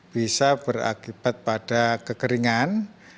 bisa berakibat pada kekeringan